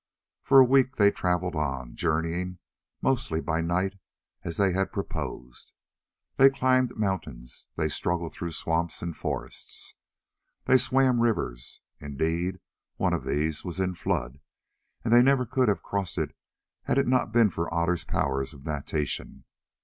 For a week they travelled on, journeying mostly by night as they had proposed. They climbed mountains, they struggled through swamps and forests, they swam rivers. Indeed one of these was in flood, and they never could have crossed it had it not been for Otter's powers of natation.